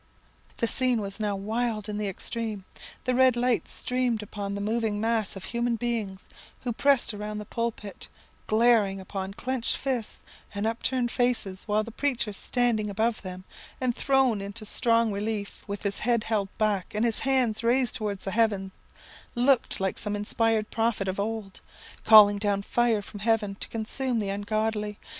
"The scene was now wild in the extreme: the red light streamed upon the moving mass of human beings who pressed around the pulpit, glaring upon clenched fists and upturned faces, while the preacher standing above them, and thrown into strong relief, with his head held back and his hands raised towards heaven, looked like some inspired prophet of old, calling down fire from heaven to consume the ungodly.